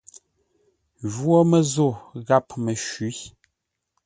Jwó Mə́zô gháp Məshwî.